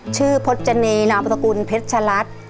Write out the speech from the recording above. ชื่อพจณีย์นาปัตตกุลเพชรรัตน์